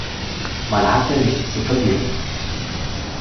Man hat ja nichts zu verlieren.